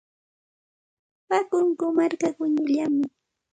Wakunku marka quñullami.